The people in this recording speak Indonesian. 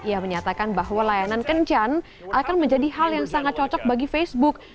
ia menyatakan bahwa layanan kencan akan menjadi hal yang sangat cocok bagi facebook